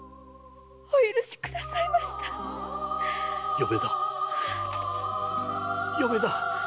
嫁だ嫁だ！